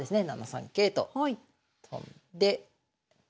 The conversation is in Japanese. ７三桂と跳んで。